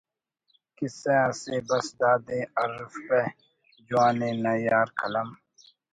کسہ اسے بس دادے ارّفپہ جوانءِ نہ یار قلم